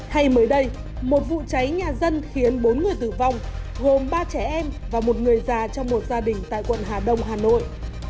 hay mới đây một vụ cháy nhà dân khiến bốn người tử vong gồm ba trẻ em và một người già trong một gia đình tại quận hà đông hà nội